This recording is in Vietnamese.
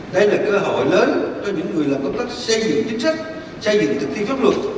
đây là cơ hội lớn cho những người làm công tác xây dựng chính sách xây dựng thực thi pháp luật